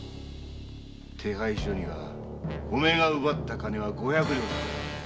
手配書にはお前が奪った金は五百両とあった。